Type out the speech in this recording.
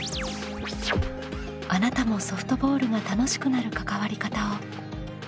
あなたもソフトボールが楽しくなる関わり方を探究してみませんか？